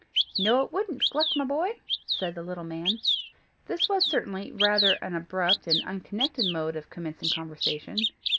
"No, it wouldn't, Gluck, my boy," said the little man. This was certainly rather an abrupt and unconnected mode of commencing conversation.